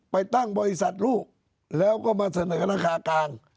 ไปตั้งบริษัทลูกแล้วก็มาเสนอริสุทธิ์หน้ากนาง